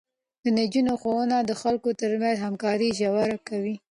د نجونو ښوونه د خلکو ترمنځ همکاري ژوره کوي.